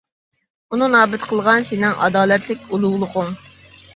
ئۇنى نابۇت قىلغان سېنىڭ ئادالەتلىك ئۇلۇغلۇقۇڭ.